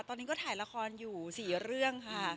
ตอนนี้ก็ถ่ายละครอยู่๔เรื่องค่ะ